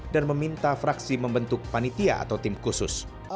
meminta fraksi membentuk panitia atau tim khusus